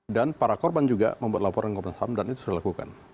dan para korban juga membuat laporan komnas ham dan itu sudah dilakukan